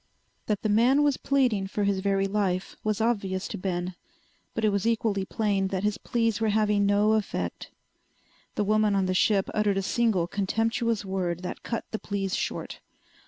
That the man was pleading for his very life was obvious to Ben, but it was equally plain that his pleas were having no effect. The woman on the ship uttered a single contemptuous word that cut the pleas short.